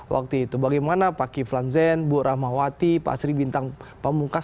waktu itu bagaimana pak kiflan zen bu rahmawati pak sri bintang pamungkas